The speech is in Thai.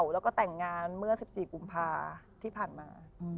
แล้วก็แต่งงานเมื่อ๑๔กุมภาที่ผ่านมา